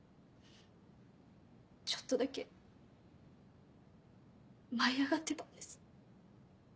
ちょっとだけ舞い上がってたんです。